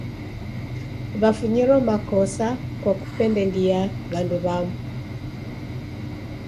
Wafunyiro makosa kwa kupendelia w'andu w'amu.